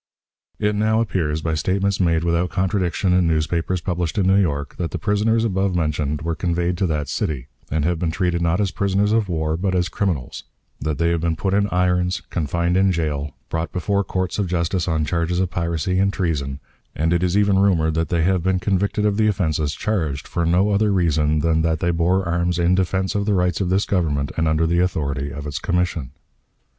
"It now appears, by statements made without contradiction in newspapers published in New York, that the prisoners above mentioned were conveyed to that city, and have been treated not as prisoners of war, but as criminals; that they have been put in irons, confined in jail, brought before courts of justice on charges of piracy and treason; and it is even rumored that they have been convicted of the offenses charged, for no other reason than that they bore arms in defense of the rights of this Government and under the authority of its commission.